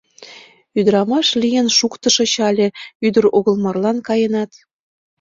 Ӱдырамаш лийын шуктышыч але ӱдыр огыл марлан каенат?